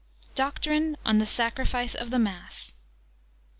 DOCTRINE ON THE SACRIFICE OF THE MASS.